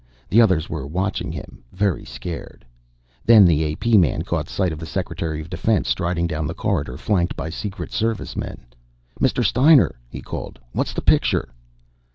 The others were watching him, very scared. Then the A.P. man caught sight of the Secretary of Defense striding down the corridor, flanked by Secret Servicemen. "Mr. Steiner!" he called. "What's the picture?"